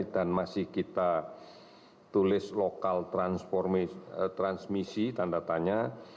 masih kita tulis lokal transmisi tanda tanya